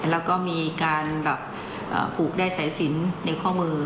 แล้วก็มีการแบบผูกได้สายสินในข้อมือ